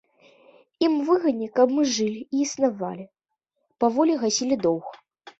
Ім выгадней, каб мы жылі і існавалі, паволі гасілі доўг.